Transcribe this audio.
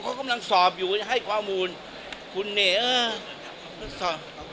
แต่ว่าท่ามรองการสอบไม่ได้ให้ข้อมูลกับทัศน์เพียร์ครับ